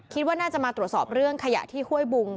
คิดว่าน่าจะมาตรวจสอบเรื่องขยะที่ห้วยบุง